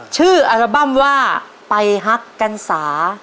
อัลบั้มว่าไปฮักกันสา